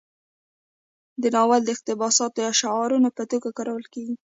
د ناول اقتباسات د شعارونو په توګه کارول کیږي.